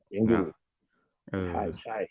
ยังอยู่